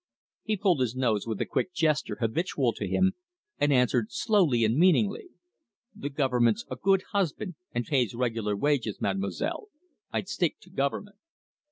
He pulled his nose with a quick gesture habitual to him, and answered slowly and meaningly: "The government's a good husband and pays regular wages, Mademoiselle. I'd stick to government."